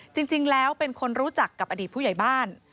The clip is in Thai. จริงแล้วเป็นคนรู้จักกับอดีตผู้ใหญ่บ้าน